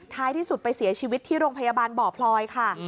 ที่สุดไปเสียชีวิตที่โรงพยาบาลบ่อพลอยค่ะ